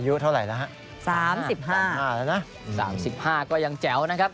อายุเท่าไหร่แล้วฮะ๓๕๓๕แล้วนะ๓๕ก็ยังแจ๋วนะครับ